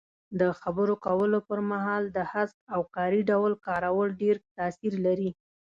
د خبرو کولو پر مهال د هسک او کاري ډول کارول ډېر تاثیر لري.